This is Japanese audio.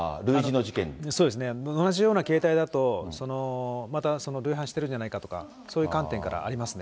そうですね、同じような形態だと、また累犯してるんじゃないかとか、そういう観点から、ありますね。